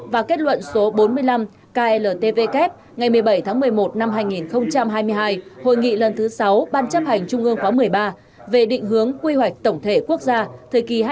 và kết luận số bốn mươi năm kltvk ngày một mươi bảy tháng một mươi một năm hai nghìn hai mươi hai hội nghị lần thứ sáu ban chấp hành trung ương khóa một mươi ba về định hướng quy hoạch tổng thể quốc gia thời kỳ hai nghìn hai mươi hai nghìn hai mươi